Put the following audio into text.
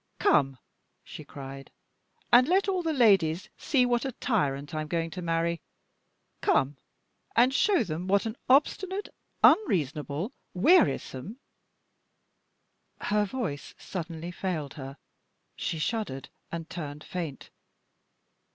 "Come," she cried, "and let all the ladies see what a tyrant I am going to marry. Come, and show them what an obstinate, unreasonable, wearisome " Her voice suddenly failed her; she shuddered, and turned faint.